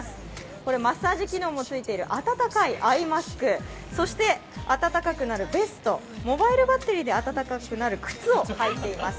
これマッサージ機能もついている温かいアイマスク、温かくなるベスト、モバイルバッテリーで暖かくなる靴を履いています。